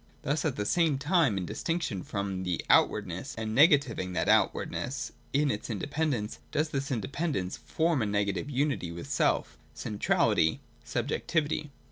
Thus at the same time in distinction from the outwardness, and negativing that outwardness in its independence, does this inde pendence form a negative unity with self, — Centrality (subjectivity).